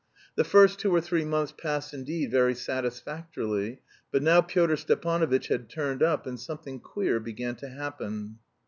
The first two or three months passed indeed very satisfactorily. But now Pyotr Stepanovitch had turned up, and something queer began to happen.